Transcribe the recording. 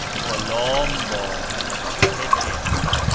kolOmbo : pigeon.